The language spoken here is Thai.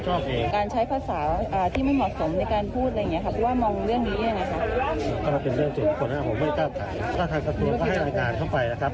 ถ้าการสัดส่วนก็ให้รายงานเข้าไปแล้วครับ